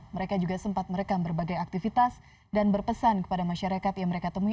mereka juga sempat merekam berbagai aktivitas dan berpesan kepada masyarakat yang mereka temui